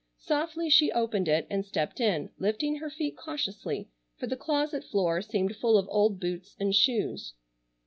Softly she opened it, and stepped in, lifting her feet cautiously, for the closet floor seemed full of old boots and shoes.